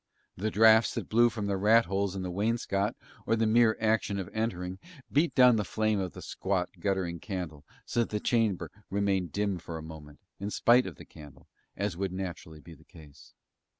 The draughts that blew from the rat holes in the wainscot, or the mere action of entering, beat down the flame of the squat, guttering candle so that the chamber remained dim for a moment, in spite of the candle, as would naturally be the case.